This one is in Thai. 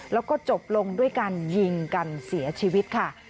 แล้วก็จบลงด้วยการยิงกันเสียชีวิตค่ะ